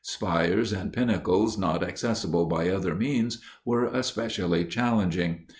Spires and pinnacles not accessible by other means were especially challenging.